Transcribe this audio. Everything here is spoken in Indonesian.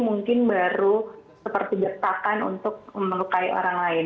mungkin baru seperti jatakan untuk menukai orang lain